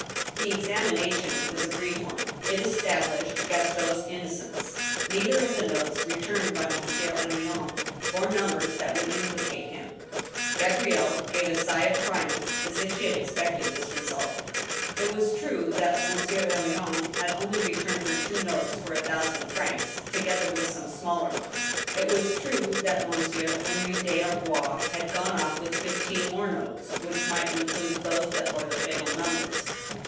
The examination was a brief one ; it established Gaston's inno cence. Neither of the notes returned by Monsieur Henrion bore numbers that would implicate him. Gabrielle gave a sigh of triumph, as if she had expected this result It was true that Monsieur Henrion had only returned her two notes for a thousand francs, together with some smaller ones. It was true that Monsieur Henri des Arbois had gone off witb fifteen more notes, which might include those that bore the fatal numbers.